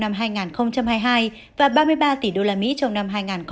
năm hai nghìn hai mươi hai và ba mươi ba tỷ usd trong năm hai nghìn hai mươi ba